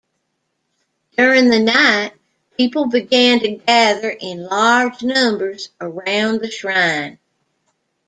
During the night, people began to gather in large numbers around the shrine.